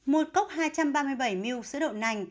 một cốc hai trăm ba mươi bảy mil sữa đậu nành